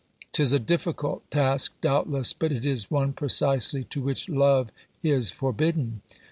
'Tis a difficult task doubtless, but it is one precisely to which love is forbidden.